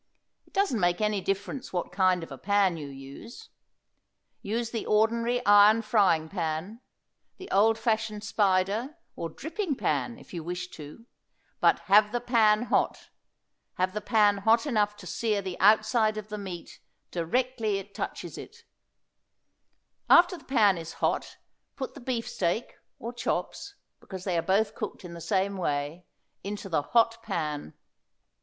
It doesn't make any difference what kind of a pan you use. Use the ordinary iron frying pan, the old fashioned spider, or dripping pan, if you wish to; but have the pan hot; have the pan hot enough to sear the outside of the meat directly it touches it; after the pan is hot put the beefsteak, or chops because they are both cooked in the same way into the hot pan.